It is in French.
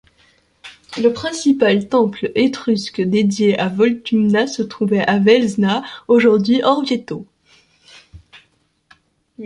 Le principal temple étrusque dédié à Voltumna se trouvait à Velzna, aujourd'hui Orvieto.